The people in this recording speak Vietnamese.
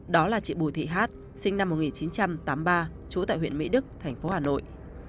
đó là chị bùi thị hát sinh năm một nghìn chín trăm tám mươi ba trú tại huyện mỹ đức thành phố hà nội